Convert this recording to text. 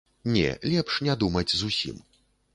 Не, лепш не думаць зусім.